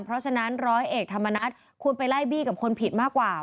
เพราะฉะนั้นร้อยเอกธรรมนัฐควรไปไล่บี้กับคนผิดมากกว่า